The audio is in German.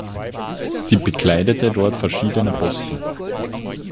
Sie bekleidete dort verschiedene Posten.